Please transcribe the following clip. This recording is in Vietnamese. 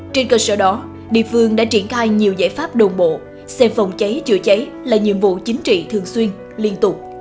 trên cơ sở đó địa phương đã triển khai nhiều giải pháp đồng bộ xem phòng cháy chữa cháy là nhiệm vụ chính trị thường xuyên liên tục